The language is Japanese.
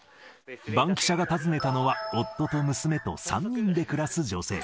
バンキシャが訪ねたのは、夫と娘と３人で暮らす女性。